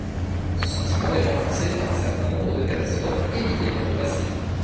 Ce sentiment est renforcé par un certain nombre de catastrophes évitées par le passé.